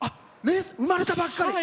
生まれたばっかり！